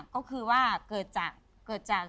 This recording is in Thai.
ก็คือว่าเกิดจาก